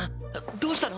どうしたの？